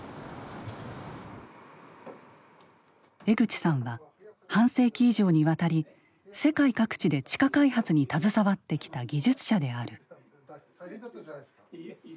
江口さんは半世紀以上にわたり世界各地で地下開発に携わってきた技術者である。